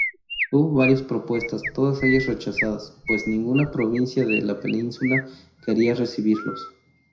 Hubo varias propuestas, todas ellas rechazadas, pues ninguna provincia de la península quería recibirlos.